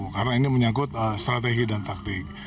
karena ini menyangkut strategi dan taktik